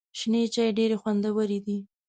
شنې چای ډېري خوندوري دي .